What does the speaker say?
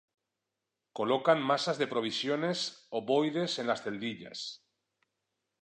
Colocan masas de provisiones ovoides en las celdillas.